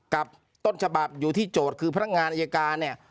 กับต้นฉบับอยู่ที่โจทย์คือพนักงานอายการเนี่ย